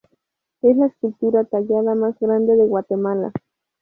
Es la escultura tallada más grande de Guatemala.